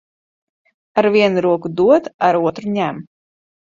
Ar vienu roku dod, ar otru ņem.